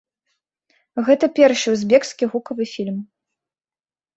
Гэта першы узбекскі гукавы фільм.